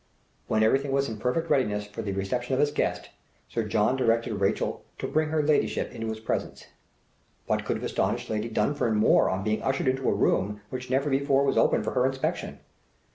When everything was in perfect readiness for the reception of its guest, Sir John directed Rachel to "bring her Ladyship into his presence." What could have astonished Lady Dunfern more on being ushered into a room which never before was open for her inspection?